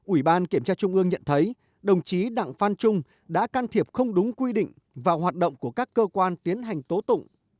ủy ban kiểm tra trung ương nhận thấy đồng chí đặng phan trung đã can thiệp không đúng quy định vào hoạt động của các cơ quan tiến hành tố tụng